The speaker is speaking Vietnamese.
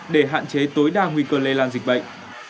để hạn chế tối đa nguy cơ lây lan dịch bệnh